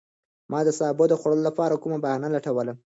ما د سابو د خوړلو لپاره کومه بهانه لټوله.